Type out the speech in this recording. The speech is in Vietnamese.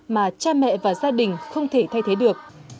mà cha mẹ và gia đình không thể thay thế được